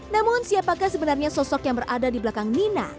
namun siapakah sebenarnya sosok yang berada di belakang nina